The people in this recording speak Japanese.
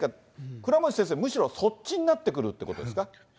倉持先生、むしろそっちになってくるということですか。